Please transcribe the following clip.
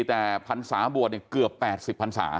แต่พรรษาบวชเกือบ๘๐พันศา